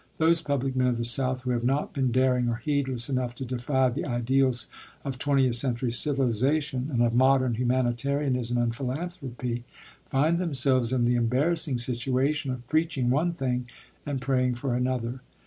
Those public men of the South who have not been daring or heedless enough to defy the ideals of twentieth century civilization and of modern humanitarianism and philanthropy, find themselves in the embarrassing situation of preaching one thing and praying for another.